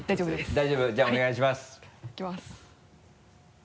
大丈夫？じゃあお願いします。いきます。